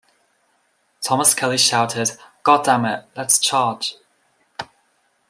Thomas Kelley shouted "God damn it, lets charge".